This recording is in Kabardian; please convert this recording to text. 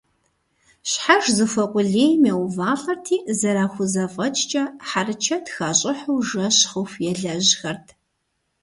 Щхьэж зыхуэкъулейм еувалӀэрти, зэрахузэфӀэкӀкӀэ, хьэрычэт хащӀыхьу, жэщ хъуху елэжьхэрт.